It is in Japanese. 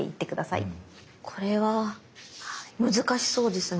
これは難しそうですね。